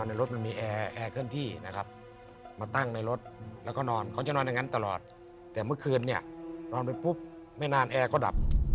น้ำแอ๋มท่วมรถขึ้นมา